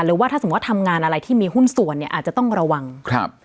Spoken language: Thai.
หรือว่าถ้าสมมุติทำงานอะไรที่มีหุ้นส่วนเนี่ยอาจจะต้องระวังครับ